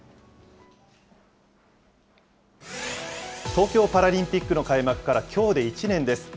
東京パラリンピックの開幕からきょうで１年です。